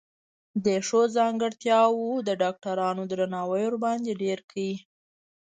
دې ښو ځانګرتياوو د ډاکټرانو درناوی ورباندې ډېر کړ.